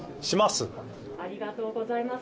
ありがとうございます。